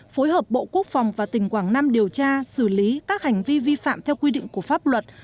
phối hợp bộ quốc phòng và tỉnh quảng nam điều tra xử lý các hành vi vi phạm theo quy định của pháp luật